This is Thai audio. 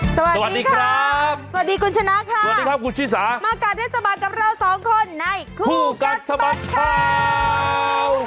สวัสดีครับสวัสดีครับคุณชิสามาการได้สบายกับเราสองคนในคู่กัดสบัดข่าว